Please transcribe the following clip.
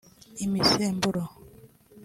Imisemburo